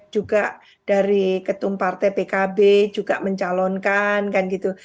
juga dari ketum partai pkb juga mencalonkan kan gitu